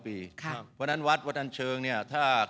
ที่จะเป็นความสุขของชาวบ้าน